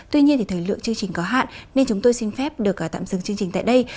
tuy nhiên thì thời lượng chương trình có hạn nên chúng tôi xin phép được tạm dừng chương trình tại đây